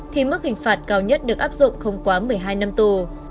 thì mức hình phạt cao nhất được áp dụng không quá một mươi hai năm tù